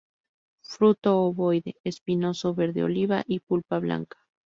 Fruto ovoide, espinoso, verde oliva y pulpa blanca.